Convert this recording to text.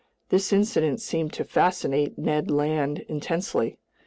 This incident seemed to fascinate Ned Land intensely.